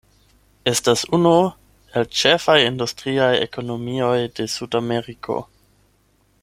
Estas unu el ĉefaj industriaj ekonomioj de Sudameriko.